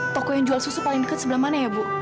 toko yang jual susu paling dekat sebelah mana ya bu